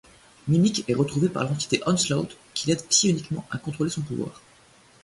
Mimic est retrouvé par l'entité Onslaught qui l'aide psioniquement à contrôler son pouvoir.